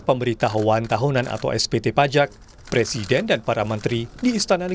membenarkan gugatan akan didaftarkan usai maghrib petang ini